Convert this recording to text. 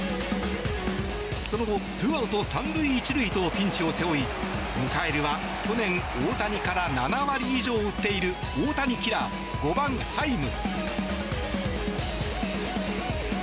その後、ツーアウト３塁１塁とピンチを背負い迎えるは去年、大谷から７割以上を打っている大谷キラー５番、ハイム。